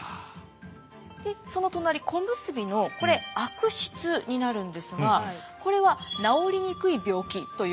でその隣小結のこれ悪疾になるんですがこれは治りにくい病気という。